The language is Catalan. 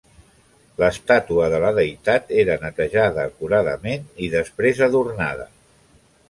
L'estàtua de la deïtat era netejada acuradament i després adornada.